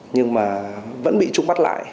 nhưng mà vẫn bị chúng bắt lại